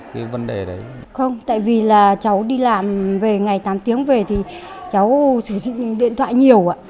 không tại vì là cháu đi làm về ngày tám tiếng về thì cháu sử dụng điện thoại nhiều ạ